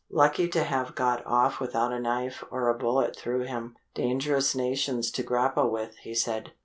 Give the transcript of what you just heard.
"Lucky to have got off without a knife or a bullet through him dangerous nations to grapple with," he said.